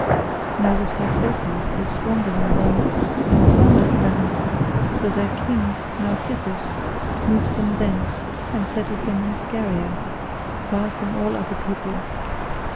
Now the Cyclopes were stronger than they and plundered them, so their king Nausithous moved them thence and settled them in Scheria, far from all other people.